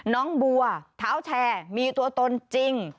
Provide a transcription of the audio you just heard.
น้องบัวเท้าแชร์มีตัวตนจริง